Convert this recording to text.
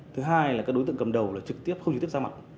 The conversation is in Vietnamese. thứ hai là các đối tượng cầm đầu là trực tiếp không trực tiếp ra mạng